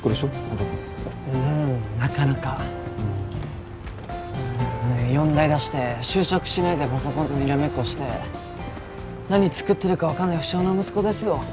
音くんうんなかなか四大出して就職しないでパソコンとにらめっこして何作ってるか分かんない不肖の息子ですよ